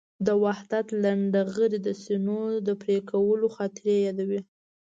د وحدت لنډهغري د سینو د پرېکولو خاطرې یادوي.